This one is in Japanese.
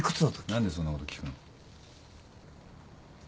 何でそんなこと聞くの？